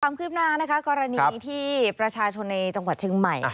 ความคืบหน้านะคะกรณีที่ประชาชนในจังหวัดเชียงใหม่